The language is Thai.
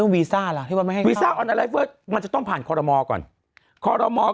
วีซ่าแล้วเมื่อไฟกิบว่าจะต้องผ่านคอรอมอล์ก่อนคอรอมอล์ก็